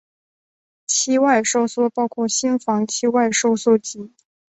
期外收缩包括心房期外收缩及。